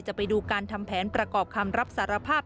ไปดูการทำแผนประกอบคำรับสารภาพ